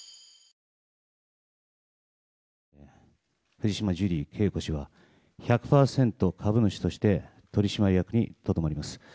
藤島ジュリー景子氏は１００％株主として取締役にとどまります。